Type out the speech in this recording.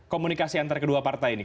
komunikasi antara kedua partai ini